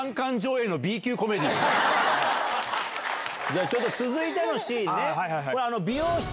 じゃあちょっと続いてのシーンね。